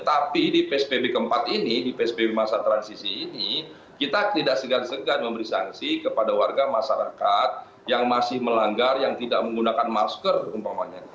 tapi di psbb keempat ini di psbb masa transisi ini kita tidak segan segan memberi sanksi kepada warga masyarakat yang masih melanggar yang tidak menggunakan masker umpamanya